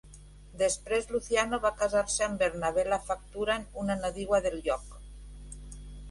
Després Luciano va casar-se amb Bernabela Facturan, una nadiua del lloc.